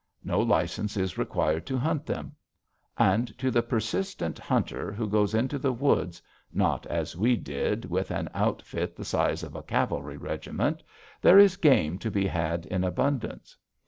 No license is required to hunt them. And to the persistent hunter who goes into the woods, not as we did, with an outfit the size of a cavalry regiment, there is game to be had in abundance.